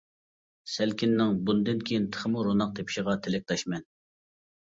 سەلكىننىڭ بۇندىن كىيىن تېخىمۇ روناق تېپىشىغا تىلەكداشمەن!